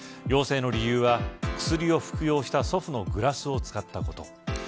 陽性の理由は薬を服用した祖父のグラスを使ったこと。